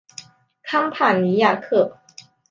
康帕尼亚克。